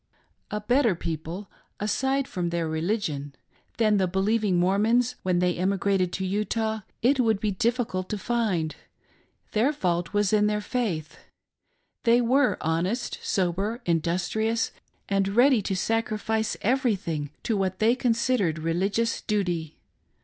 A better people — raside from their religion — than the believing Mormons when they emigrated to Utah, it would be difficult to find. Their fault was in their faith. They were honest, sober, industrious, and ready to sacrifice everything to what they considered religious duty.